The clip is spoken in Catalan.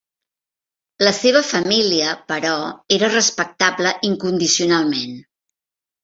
La seva família, però, era respectable incondicionalment.